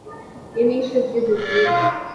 别名是菊子姬。